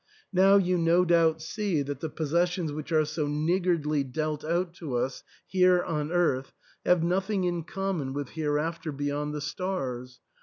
Now you no doubt see that the possessions which are so niggardly dealt out to us here on earth have nothing in common with Hereafter beyond the stars.